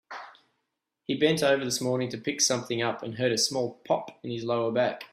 He bent over this morning to pick something up and heard a small pop in his lower back.